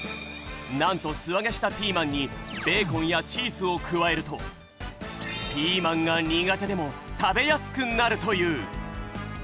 なんとすあげしたピーマンにベーコンやチーズを加えるとピーマンが苦手でも食べやすくなるという！